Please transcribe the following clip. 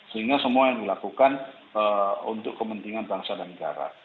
sehingga semua yang dilakukan untuk kepentingan bangsa dan negara